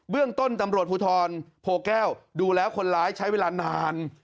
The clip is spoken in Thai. เรื่องต้นตำรวจภูทรโพแก้วดูแล้วคนร้ายใช้เวลานาน